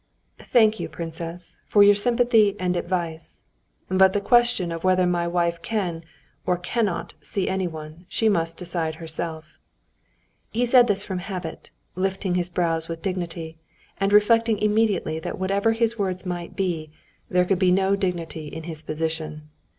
"Thank you, princess, for your sympathy and advice. But the question of whether my wife can or cannot see anyone she must decide herself." He said this from habit, lifting his brows with dignity, and reflected immediately that whatever his words might be, there could be no dignity in his position.